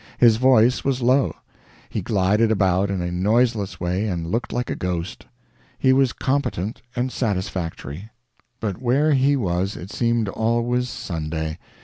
His voice was low. He glided about in a noiseless way, and looked like a ghost. He was competent and satisfactory. But where he was, it seemed always Sunday.